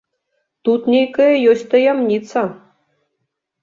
Тут нейкая ёсць таямніца!